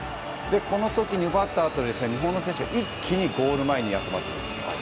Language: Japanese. この時に奪ったあと日本の選手が一気にゴール前に集まってきます。